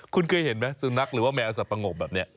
คุณเคยเห็นมั้ยสุนัขหรือแมวสับปะงบแบบเนี้ย